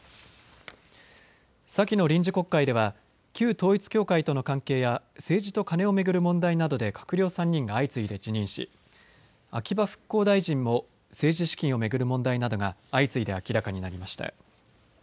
先の臨時国会では旧統一教会との関係や政治とカネを巡る問題などで閣僚３人が相次いで辞任し秋葉復興大臣も政治資金を巡る問題などが相次いで明らかになりました。